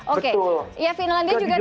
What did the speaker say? oke ya finlandia juga